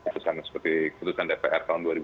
seperti keputusan dpr tahun